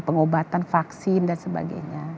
pengobatan vaksin dan sebagainya